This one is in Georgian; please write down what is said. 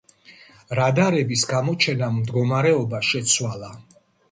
რადარების გამოჩენამ მდგომარეობა შეცვალა.